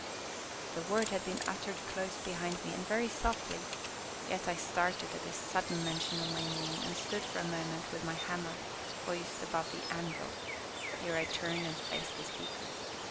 The word had been uttered close behind me, and very softly, yet I started at this sudden mention of my name and stood for a moment with my hammer poised above the anvil ere I turned and faced the speaker.